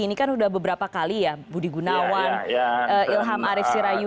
ini kan sudah beberapa kali ya budi gunawan ilham arief sirayu